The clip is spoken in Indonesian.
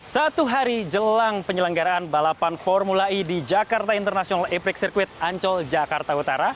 satu hari jelang penyelenggaraan balapan formula e di jakarta international e prix circuit ancol jakarta utara